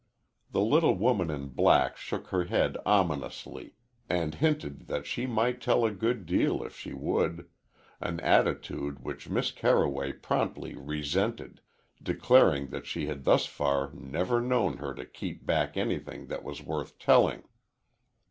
The little woman in black shook her head ominously and hinted that she might tell a good deal if she would, an attitude which Miss Carroway promptly resented, declaring that she had thus far never known her to keep back anything that was worth telling.